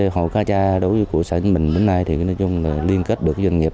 hộ cá cha đối với của xã vĩnh bình đến nay thì nói chung là liên kết được với doanh nghiệp